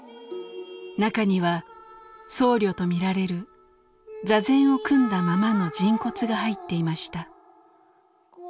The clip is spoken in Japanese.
中には僧侶と見られる座禅を組んだままの人骨が入っていました。